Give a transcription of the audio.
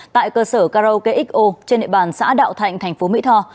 tại cơ sở carrow kxo trên địa bàn xã đạo thạnh tp mỹ tho